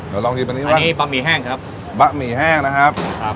เดี๋ยวลองชิมอันนี้บะหมี่แห้งครับบะหมี่แห้งนะครับครับ